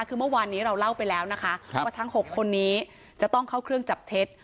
คือเมื่อวานนี้เราเล่าไปแล้วนะคะว่าทั้ง๖คนนี้จะต้องเข้าเครื่องจับเท็จ